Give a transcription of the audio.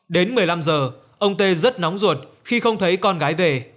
đến một mươi năm giờ ông tê rất nóng ruột khi không thấy con gái về